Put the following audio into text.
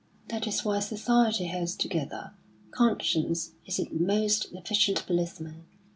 That is why society holds together; conscience is its most efficient policeman.